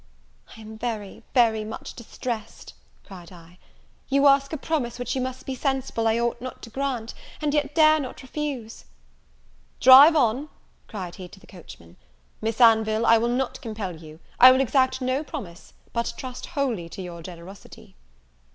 "I am very, very much distressed," cried I; "you ask a promise which you must be sensible I ought not to grant, and yet dare not refuse." "Drive on!" cried he to the coachman; "Miss Anville, I will not compel you; I will exact no promise, but trust wholly to your generosity."